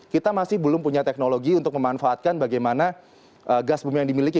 kita masih belum punya teknologi untuk memanfaatkan bagaimana gas bumi yang dimiliki